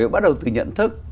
bắt đầu từ nhận thức